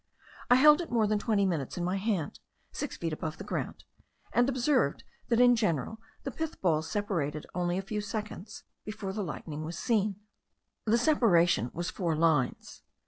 I held it more than twenty minutes in my hand, six feet above the ground, and observed that in general the pith balls separated only a few seconds before the lightning was seen. The separation was four lines.